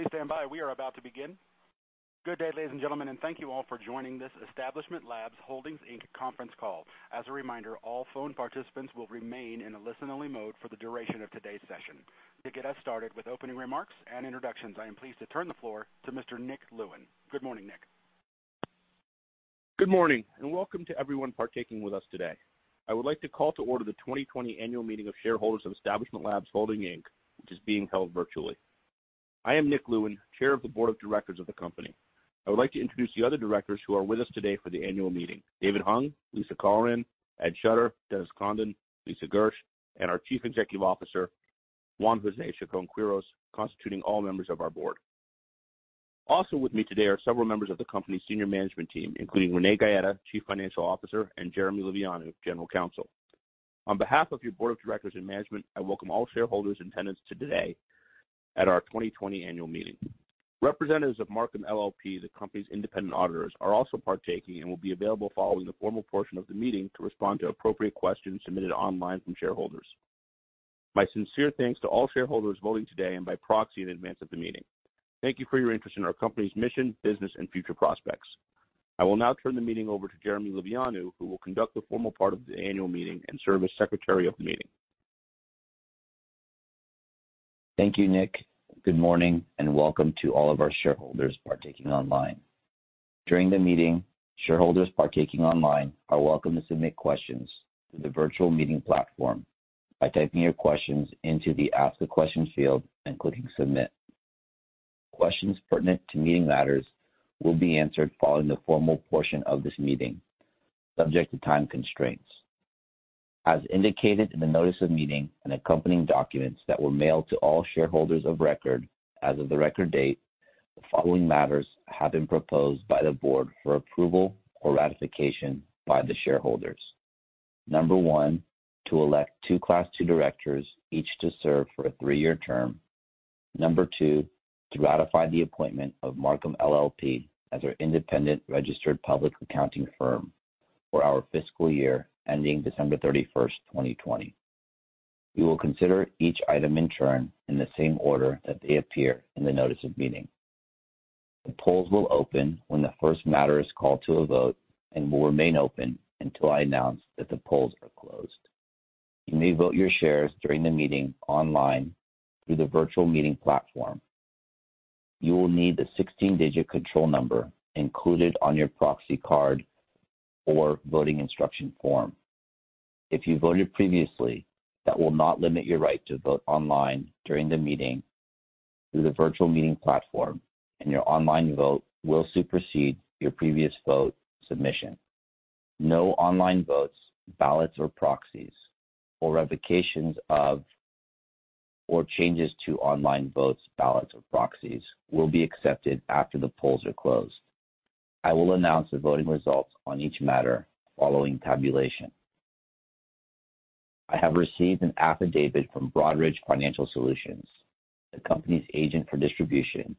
Please stand by. We are about to begin. Good day, ladies and gentlemen, and thank you all for joining this Establishment Labs Holdings, Inc. conference call. As a reminder, all phone participants will remain in a listen-only mode for the duration of today's session. To get us started with opening remarks and introductions, I am pleased to turn the floor to Mr. Nick Lewin. Good morning, Nick. Good morning and welcome to everyone partaking with us today. I would like to call to order the 2020 annual meeting of shareholders of Establishment Labs Holdings, Inc., which is being held virtually. I am Nick Lewin, chair of the board of directors of the company. I would like to introduce the other directors who are with us today for the annual meeting. David Hung, Lisa Colleran, Ed Schutter, Dennis Condon, Lisa Gersh, and our Chief Executive Officer, Juan José Chacón-Quirós, constituting all members of our board. Also with me today are several members of the company's senior management team, including Renee Gaeta, Chief Financial Officer, and Jeremy Livianu, General Counsel. On behalf of your board of directors and management, I welcome all shareholders in attendance today at our 2020 annual meeting. Representatives of Marcum LLP, the company's independent auditors, are also partaking and will be available following the formal portion of the meeting to respond to appropriate questions submitted online from shareholders. My sincere thanks to all shareholders voting today and by proxy in advance of the meeting. Thank you for your interest in our company's mission, business, and future prospects. I will now turn the meeting over to Jeremy Livianu, who will conduct the formal part of the annual meeting and serve as secretary of the meeting. Thank you, Nick. Good morning and welcome to all of our shareholders partaking online. During the meeting, shareholders partaking online are welcome to submit questions through the virtual meeting platform by typing your questions into the Ask a Question field and clicking Submit. Questions pertinent to meeting matters will be answered following the formal portion of this meeting, subject to time constraints. As indicated in the notice of meeting and accompanying documents that were mailed to all shareholders of record as of the record date, the following matters have been proposed by the board for approval or ratification by the shareholders. Number one, to elect two Class II directors, each to serve for a three-year term. Number two, to ratify the appointment of Marcum LLP as our independent registered public accounting firm for our fiscal year ending December 31, 2020. We will consider each item in turn in the same order that they appear in the notice of meeting. The polls will open when the first matter is called to a vote and will remain open until I announce that the polls are closed. You may vote your shares during the meeting online through the virtual meeting platform. You will need the 16-digit control number included on your proxy card or voting instruction form. If you voted previously, that will not limit your right to vote online during the meeting through the virtual meeting platform, and your online vote will supersede your previous vote submission. No online votes, ballots or proxies, or revocations of, or changes to online votes, ballots or proxies will be accepted after the polls are closed. I will announce the voting results on each matter following tabulation. I have received an affidavit from Broadridge Financial Solutions, the company's agent for distribution,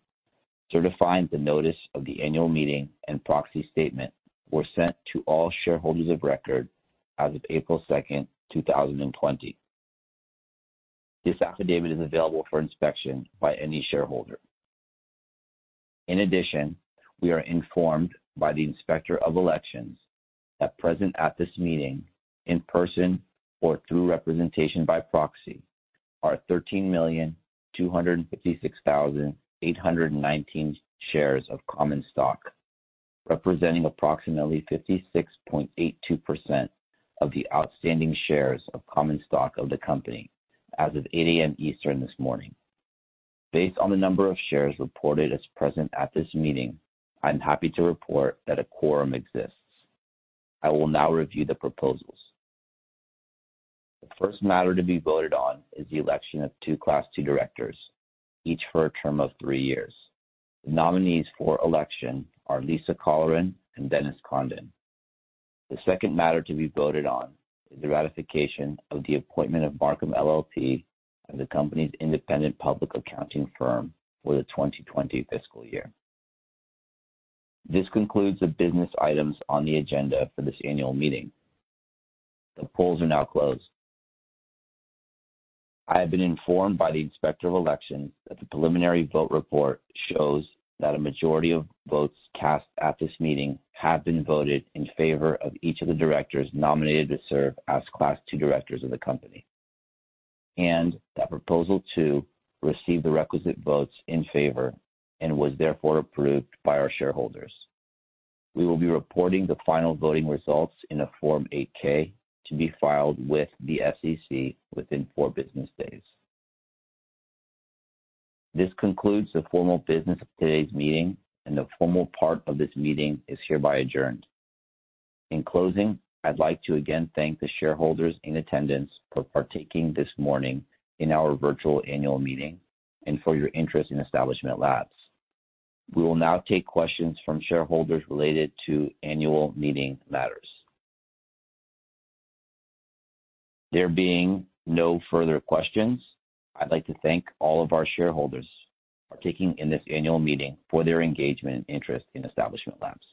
certifying the notice of the annual meeting and proxy statement were sent to all shareholders of record as of April 2nd, 2020. This affidavit is available for inspection by any shareholder. In addition, we are informed by the Inspector of Elections that present at this meeting in person or through representation by proxy are 13,256,819 shares of common stock, representing approximately 56.82% of the outstanding shares of common stock of the company as of 8:00 A.M. EST this morning. Based on the number of shares reported as present at this meeting, I'm happy to report that a quorum exists. I will now review the proposals. The first matter to be voted on is the election of two Class II directors, each for a term of three years. The nominees for election are Lisa Colleran and Dennis Condon. The second matter to be voted on is the ratification of the appointment of Marcum LLP as the company's independent public accounting firm for the 2020 fiscal year. This concludes the business items on the agenda for this annual meeting. The polls are now closed. I have been informed by the Inspector of Elections that the preliminary vote report shows that a majority of votes cast at this meeting have been voted in favor of each of the directors nominated to serve as Class II directors of the company. That Proposal two received the requisite votes in favor and was therefore approved by our shareholders. We will be reporting the final voting results in a Form 8-K to be filed with the SEC within four business days. This concludes the formal business of today's meeting and the formal part of this meeting is hereby adjourned. In closing, I'd like to again thank the shareholders in attendance for partaking this morning in our virtual annual meeting and for your interest in Establishment Labs. We will now take questions from shareholders related to annual meeting matters. There being no further questions, I'd like to thank all of our shareholders partaking in this annual meeting for their engagement and interest in Establishment Labs.